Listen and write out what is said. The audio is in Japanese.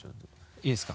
いいですか？